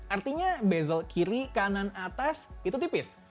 artinya basel kiri kanan atas itu tipis